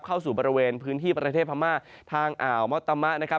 เข้าสู่บริเวณพื้นที่ประเทศพม่าทางอ่าวมอตมะนะครับ